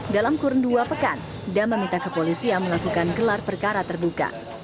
dalam kurun dua pekan dam meminta kepolisian melakukan gelar perkara terbuka